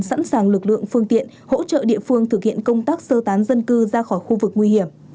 sẵn sàng lực lượng phương tiện hỗ trợ địa phương thực hiện công tác sơ tán dân cư ra khỏi khu vực nguy hiểm